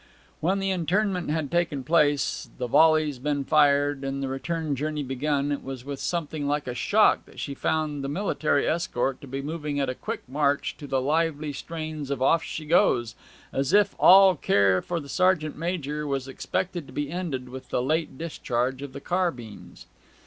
When the interment had taken place, the volleys been fired, and the return journey begun, it was with something like a shock that she found the military escort to be moving at a quick march to the lively strains of 'Off she goes!' as if all care for the sergeant major was expected to be ended with the late discharge of the carbines.